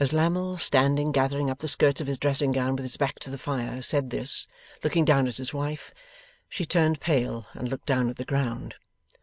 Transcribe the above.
As Lammle, standing gathering up the skirts of his dressing gown with his back to the fire, said this, looking down at his wife, she turned pale and looked down at the ground.